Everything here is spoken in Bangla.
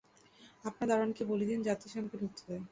আপনার দারোয়ানকে বলে দিন, যাতে সে আমাকে ঢুকতে দেয়।